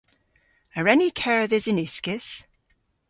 A wren ni kerdhes yn uskis?